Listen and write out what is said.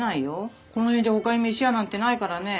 この辺じゃほかに飯屋なんてないからね。